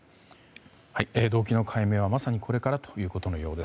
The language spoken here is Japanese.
動機の解明はまさにこれからということのようです。